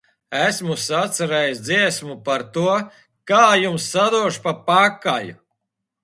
Esmu sacerējis dziesmu par to, kā jums sadošu pa pakaļu!